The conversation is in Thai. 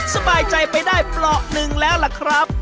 สบายใจไปได้เปราะหนึ่งแล้วล่ะครับ